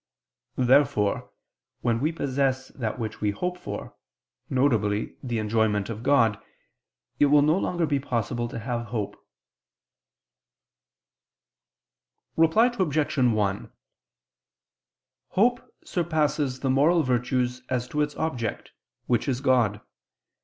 Therefore when we possess that which we hope for, viz. the enjoyment of God, it will no longer be possible to have hope. Reply Obj. 1: Hope surpasses the moral virtues as to its object, which is God.